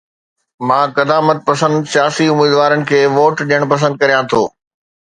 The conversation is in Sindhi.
مان قدامت پسند سياسي اميدوارن کي ووٽ ڏيڻ پسند ڪريان ٿو